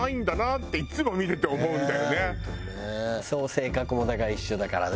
性格もだから一緒だからね。